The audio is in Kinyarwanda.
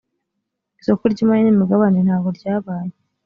isoko ry’imari n’imigabane ntago ryabaye